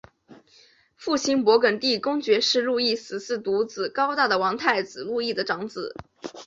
父亲勃艮地公爵是路易十四独子高大的王太子路易的长子。